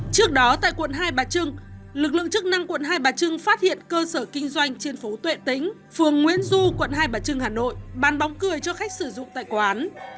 trước đó tại quận hai bà trưng lực lượng chức năng quận hai bà trưng phát hiện cơ sở kinh doanh trên phố tuệ tĩnh phường nguyễn du quận hai bà trưng hà nội bán bóng cười cho khách sử dụng tại quán